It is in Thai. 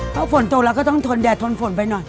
เพราะผลโตแล้วแล้วก็ต้องทนแดดทนผลไปหน่อย